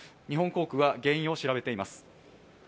日本航空は原因を調べています。